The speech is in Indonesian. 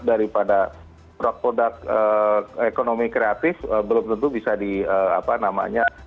daripada produk produk ekonomi kreatif belum tentu bisa di apa namanya